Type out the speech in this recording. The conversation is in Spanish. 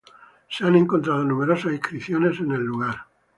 Se han encontrado numerosas inscripciones en el lugar.